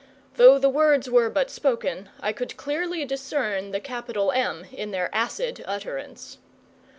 (Though the words were but spoken, I could clearly discern the capital M in their acid utterance.)